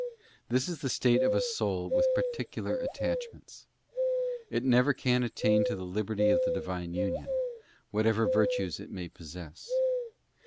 This is the state of a soul with particular attachments: it never can attain to the liberty of the Divine union, whatever virtues it may possess.